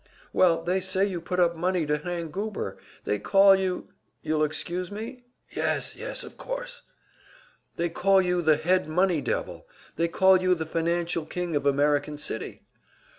"Well, they say you put up money to hang Goober. They call you you'll excuse me?" "Yes, yes, of course." "They call you the `head money devil.' They call you the financial king of American City."